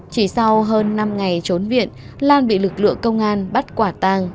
chỉ sau hơn năm ngày trốn viện lan bị lực lượng công an bắt quả tàng